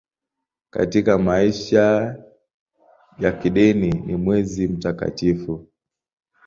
Katika maisha ya kidini ni mwezi mtakatifu.